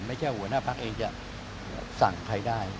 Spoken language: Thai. หัวหน้าพักเองจะสั่งใครได้